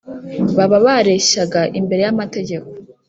baba bareshyaga imbere y' amategeko